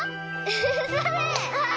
それ！